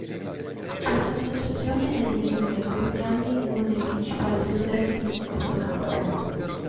Questa associazione è divenuta in questi anni uno dei principali soggetti in questo campo.